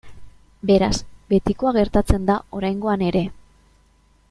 Beraz, betikoa gertatzen da oraingoan ere.